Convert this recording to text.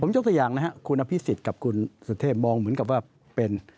ยกตัวอย่างนะครับคุณอภิษฎกับคุณสุเทพมองเหมือนกับว่าเป็น